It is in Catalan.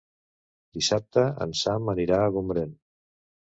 Dissabte en Sam anirà a Gombrèn.